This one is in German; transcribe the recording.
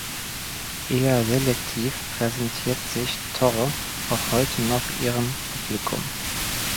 Eher selektiv präsentiert sich Torr auch heute noch ihrem Publikum.